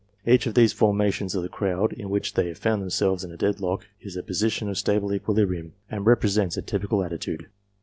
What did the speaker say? Each of these formations of the crowd, in which they have found them selves in a dead lock, is a position of stable equilibrium, and represents a typical attitude.